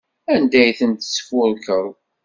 Anda ay tent-tesfurkeḍ?